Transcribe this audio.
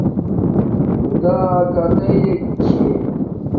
خُدݳ ݣݳ کتݵَک چھݺ؟